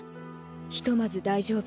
ひとまず大丈夫。